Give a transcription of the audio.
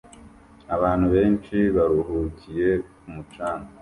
Abantu benshi baruhukiye ku mucanga